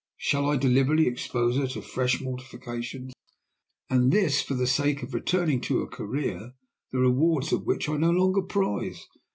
Shall I deliberately expose her to fresh mortifications? and this for the sake of returning to a career the rewards of which I no longer prize?